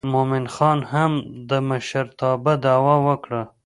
مومن خان هم د مشرتابه دعوه وکړه.